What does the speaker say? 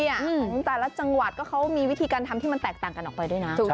ของแต่ละจังหวัดก็เขามีวิธีการทำที่มันแตกต่างกันออกไปด้วยนะ